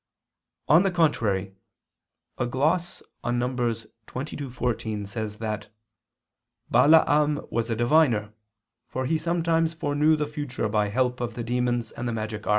On the contrary, A gloss on Num. 22:14, says that "Balaam was a diviner, for he sometimes foreknew the future by help of the demons and the magic art."